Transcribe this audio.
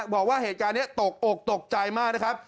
บอกว่าเหตุการณ์นี้ตกอกตกใจมากนะครับ